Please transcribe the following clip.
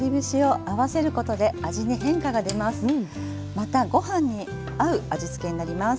またご飯に合う味付けになります。